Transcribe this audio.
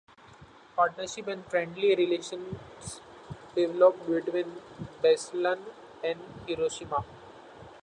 Partnership and friendly relations developed between Beslan and Hiroshima.